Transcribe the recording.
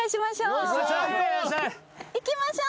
行きましょう。